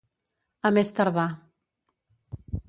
A més tardar.